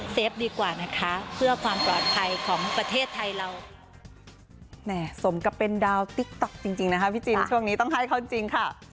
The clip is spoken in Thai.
เซฟดีกว่านะคะเพื่อความปลอดภัยของประเทศไทยเรา